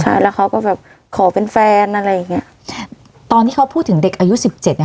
ใช่แล้วเขาก็แบบขอเป็นแฟนอะไรอย่างเงี้ยตอนที่เขาพูดถึงเด็กอายุสิบเจ็ดเนี้ย